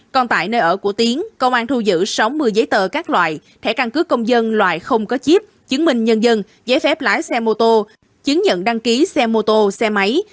còn tại nơi ở của tiến công an thu giữ sáu mươi giấy tờ các loại thẻ căn cứ công dân loại không có chip chứng minh nhân dân giấy phép lái xe mô tô chứng nhận đăng ký xe mô tô xe máy